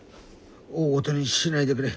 大ごとにしないでくれ。